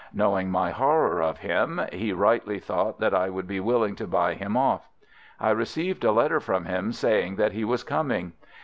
Knowing my horror of him, he rightly thought that I would be willing to buy him off. I received a letter from him saying that he was coming.